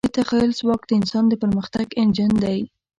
د تخیل ځواک د انسان د پرمختګ انجن دی.